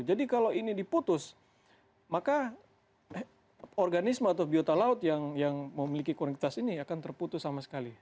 jadi kalau ini diputus maka organisme atau biota laut yang memiliki konektivitas ini akan terputus sama sekali